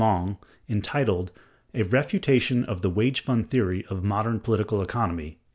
Longe, entitled "A Refutation of the Wage Fund Theory of Modern Political Economy" (1866).